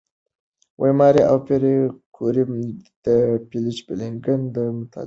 ماري او پېیر کوري د «پیچبلېند» کان مطالعه وکړه.